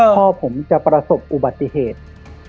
พ่อผมจะประสบอุบัติเหตุ